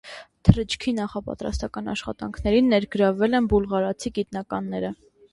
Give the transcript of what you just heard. Թռիչքի նախապատրաստական աշխատանքներին ներգրավել են բուլղարացի գիտնականները։